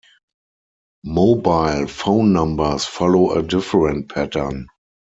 Mobile phone numbers follow a different pattern.